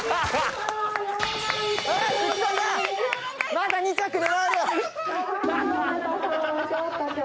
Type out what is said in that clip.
まだ２着に。